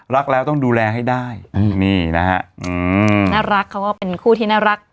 รักแล้วต้องดูแลให้ได้นี่นะฮะอืมน่ารักเขาก็เป็นคู่ที่น่ารัก